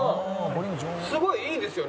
すごいいいですよね。